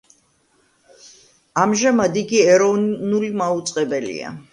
ამჟამად იგი ეროვნული მაუწყებელია.